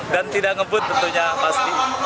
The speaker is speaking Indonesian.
dan tidak ngebut tentunya pasti